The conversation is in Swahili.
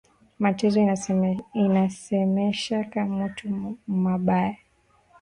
Mateso inasemeshaka mutu mabaya